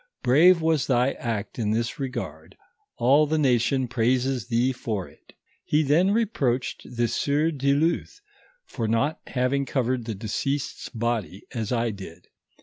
Brave was thy act in his regard ; all the nation praises thee for it." He then reproached the sieur du Luth, for not having covered the deceased's body, as I did.